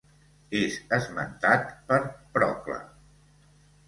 És esmentat per Procle.